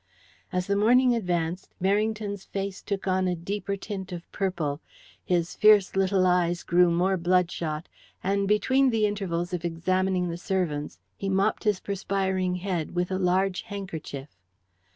As the morning advanced, Merrington's face took on a deeper tint of purple, his fierce little eyes grew more bloodshot, and between the intervals of examining the servants he mopped his perspiring head with a large handkerchief.